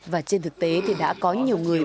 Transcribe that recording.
và trên thực tế thì đã có nhiều người